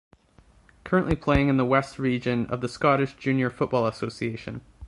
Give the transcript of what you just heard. Currently playing in the West Region of the Scottish Junior Football Association.